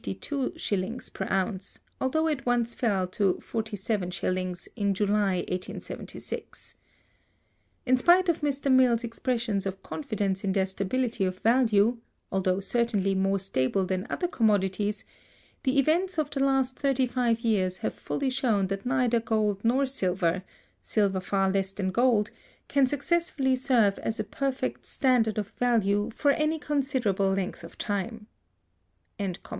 _ per ounce, although it once fell to 47_d._, in July, 1876. In spite of Mr. Mill's expressions of confidence in their stability of value—although certainly more stable than other commodities—the events of the last thirty five years have fully shown that neither gold nor silver—silver far less than gold—can successfully serve as a perfect "standard of value" for any considerable length of time.